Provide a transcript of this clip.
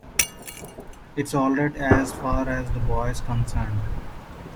It's all right as far as the boy's concerned.